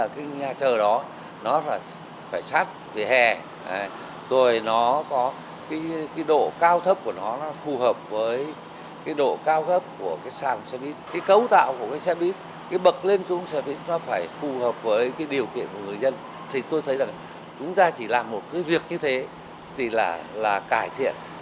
chúng ta chỉ làm một việc như thế là cải thiện lời sống của người dân khi đi lại bằng xe buýt